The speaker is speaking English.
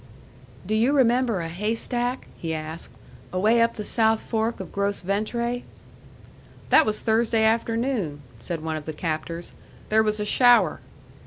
"Do you remember a haystack?" he asked. "Away up the south fork of Gros Ventre?" "That was Thursday afternoon," said one of the captors. "There was a shower."